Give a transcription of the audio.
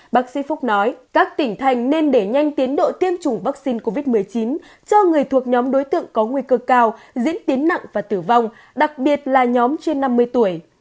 bác sĩ phúc nói các tỉnh thành nên để nhanh tiến độ tiêm chủng vaccine covid một mươi chín cho người thuộc nhóm đối tượng có nguy cơ cao diễn tiến nặng và tử vong đặc biệt là nhóm trên năm mươi tuổi